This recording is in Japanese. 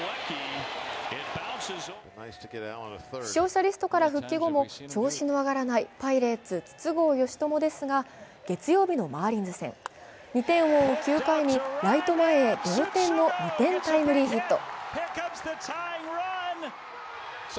負傷者リストから復帰後も調子の上がらないパイレーツ筒香嘉智ですが、月曜日のマーリンズ戦、２点を追う９回にライト前へ同点の２点タイムリーヒット。